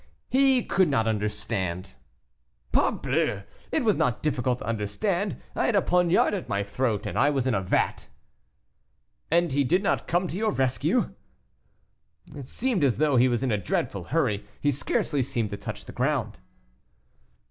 "He could not understand." "Parbleu! it was not difficult to understand. I had a poniard at my throat, and I was in a vat." "And he did not come to your rescue?" "It seemed as though he was in a dreadful hurry; he scarcely seemed to touch the ground."